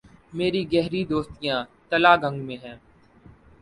میری گہری دوستیاں تلہ گنگ میں ہیں۔